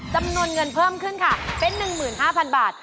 จำนวนเงินเพิ่มขึ้นค่ะเป็น๑๕๐๐๐บาท